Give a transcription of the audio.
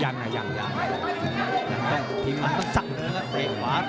มันต้องสั่งเลยนะ